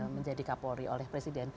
menjadi kapolri oleh presiden